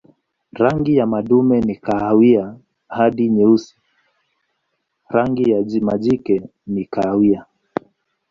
Rangi ya madume ni kahawia hadi nyeusi, rangi ya majike ni kahawia.